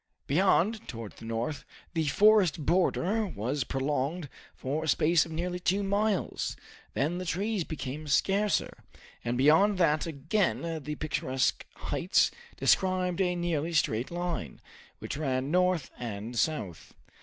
Beyond, towards the north, the forest border was prolonged for a space of nearly two miles; then the trees became scarcer, and beyond that again the picturesque heights described a nearly straight line, which ran north and south.